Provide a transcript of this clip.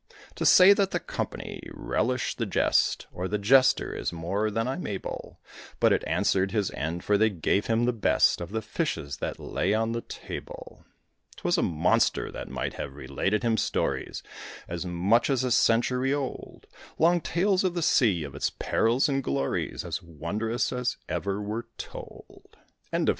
To say that the company relished the jest, Or the jester, is more than I'm able; But it answered his end, for they gave him the best Of the fishes that lay on the table. 'Twas a monster that might have related him stories As much as a century old; Long tales of the sea, of its perils and glories, As wondrous as ever were told. FABLE CLIII.